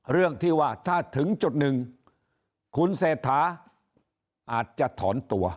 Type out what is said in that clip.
เรื่องที่ว่าถ้าถึงจุดหนึ่งคุณเศรษฐาอาจจะถอนตัว